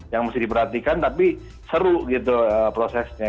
yang mesti diperhatikan tapi seru gitu prosesnya